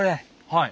はい。